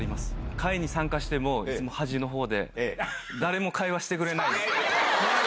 会に参加しても、端のほうで、誰も会話してくれないんですよ。